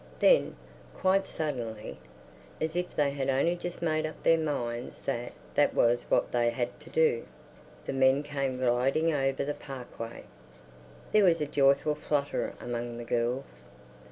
Then, quite suddenly, as if they had only just made up their minds that that was what they had to do, the men came gliding over the parquet. There was a joyful flutter among the girls.